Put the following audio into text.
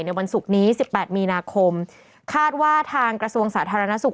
วันศุกร์นี้๑๘มีนาคมคาดว่าทางกระทรวงสาธารณสุข